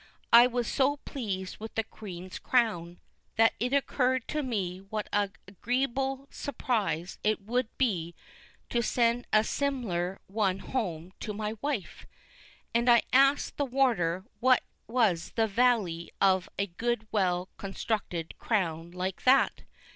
I was so pleased with the Queen's Crown, that it occurd to me what a agree'ble surprise it would be to send a sim'lar one home to my wife; and I asked the Warder what was the vally of a good well constructed Crown like that.